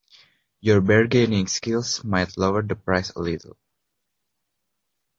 Your bargaining skills might lower the price a little.